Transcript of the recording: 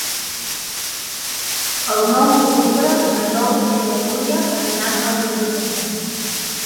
El nou d'octubre na Dolça i na Núria aniran a la biblioteca.